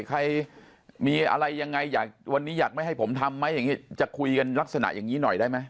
ใครมีอะไรอย่างไรวันนี้อยากไม่ให้ผมทำไหมจะคุยกันลักษณะอย่างนี้หน่อยได้ไหม